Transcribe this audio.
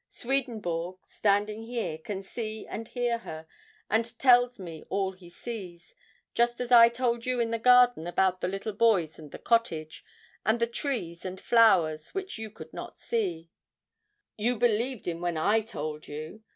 Swedenborg, standing here, can see and hear her, and tells me all he sees, just as I told you in the garden about the little boys and the cottage, and the trees and flowers which you could not see, but you believed in when I told you.